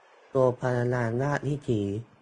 โรงพยาบาลราชวิถี